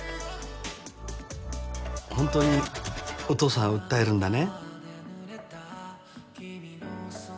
本当にお父さん訴えるんだね？